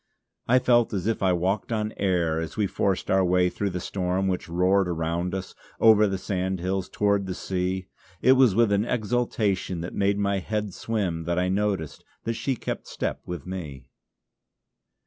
I felt as if I walked on air as we forced our way through the storm which roared around us, over the sandhills towards the sea. It was with an exultation that made my head swim that I noticed that she kept step with me.